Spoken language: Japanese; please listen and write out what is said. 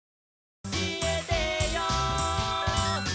「おしえてよ」